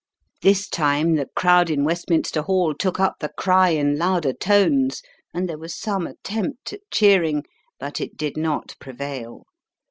This time the crowd in Westminster Hall took up the cry in louder tones, and there was some attempt at cheering, but it did not prevail.